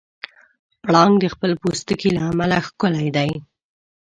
پړانګ د خپل پوستکي له امله ښکلی دی.